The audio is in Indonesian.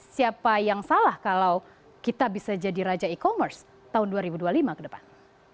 siapa yang salah kalau kita bisa jadi raja e commerce tahun dua ribu dua puluh lima ke depan